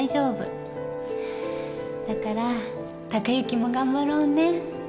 だから孝之も頑張ろうね。